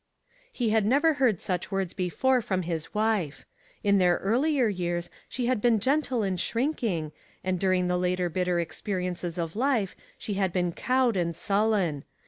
He had never heard such words before from his wife. In their earlier years, she had been gentle and shrinking, and during the later bitter experiences of life she had A NIGHT TO REMEMBER. 51 1 "been cowed and sullen.